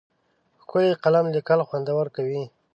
ښکلی قلم لیکل خوندور کوي.